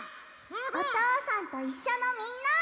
「おとうさんといっしょ」のみんな！